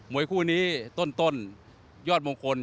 วยคู่นี้ต้นยอดมงคล